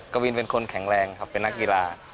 กวินเป็นคนแข็งแรงครับเป็นนักกีฬา